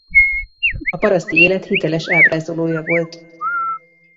A paraszti élet hiteles ábrázolója volt.